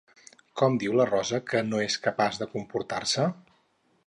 Com diu la Rosa que no és capaç de comportar-se?